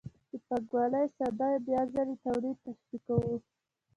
د پانګوالۍ ساده بیا ځلي تولید تشریح کوو